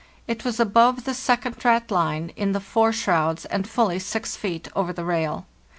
It was above the second ratline in the fore shrouds, and fully six feet over the rail.